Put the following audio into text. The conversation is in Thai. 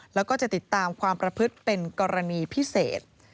แล้วก็จะติดตามความประพฤติเป็นกรณีพิเศษ